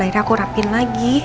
akhirnya aku rapin lagi